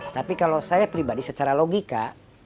tapi kalau saya pribadi secara logika